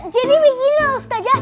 jadi begini ustazah